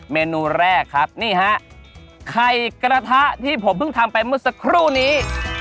เมนูแรกครับนี่ฮะไข่กระทะที่ผมเพิ่งทำไปเมื่อสักครู่นี้